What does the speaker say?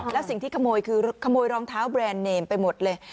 แล้วสิ่งที่ขโมยคือขโมยรองเท้าแบรนด์เนมไปหมดเลย